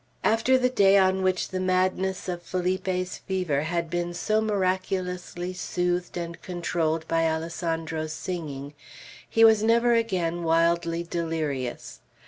After the day on which the madness of Felipe's fever had been so miraculously soothed and controlled by Alessandro's singing, he was never again wildly delirious.